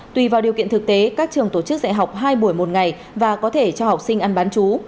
tùy vào điều kiện thực tế các trường tổ chức dạy học hai buổi một ngày và có thể cho học sinh ăn bán chú